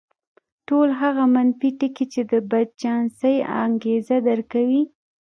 ټول هغه منفي ټکي چې د بدچانسۍ انګېزه درکوي.